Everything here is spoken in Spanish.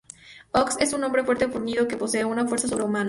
Ox es un hombre fuerte fornido que posee una fuerza sobrehumana.